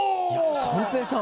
三平さん